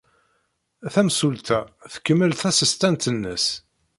Tamsulta tkemmel tasestant-nnes.